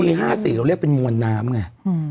๕๔เราเรียกเป็นมวลน้ำไง